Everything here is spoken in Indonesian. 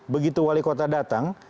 begitu wali kota datang